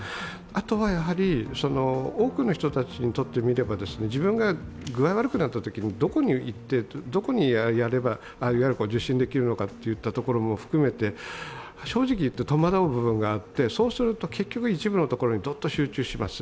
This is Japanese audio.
あとは多くの人たちにとってみれば自分が具合悪くなったときにどこへ行って、どこで受診できるのか、含めて、正直言うと戸惑う部分があってそうすると結局、一部のところにどっと集中します。